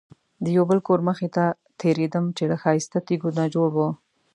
د یو بل کور مخې ته تېرېدم چې له ښایسته تیږو نه جوړ و.